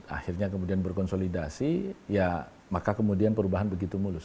akhirnya kemudian berkonsolidasi ya maka kemudian perubahan begitu mulus